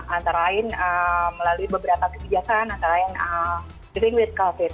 antara lain melalui beberapa kebijakan antara lain diving with covid